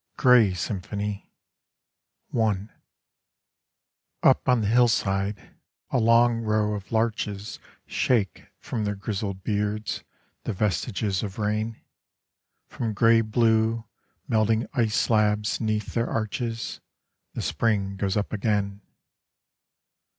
GREY SYMPHONY I Up on the hillside a long row of larches Shake from their grizzled Beards the vestiges of rain, From grey blue melting ice slabs 'neath their arches The spring goes up again.